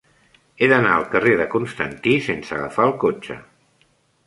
He d'anar al carrer de Constantí sense agafar el cotxe.